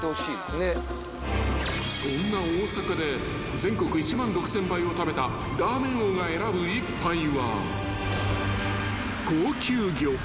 ［そんな大阪で全国１万６，０００杯を食べたラーメン王が選ぶ一杯は］